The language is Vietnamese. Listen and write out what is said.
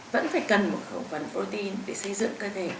vẫn phải cần một khẩu phần protein để xây dựng cơ thể